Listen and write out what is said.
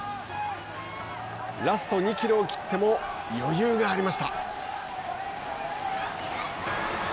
ラスト２キロを切っても余裕がありました。